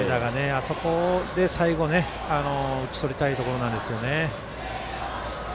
あそこで最後打ち取りたいところですよね。